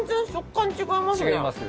違いますよね。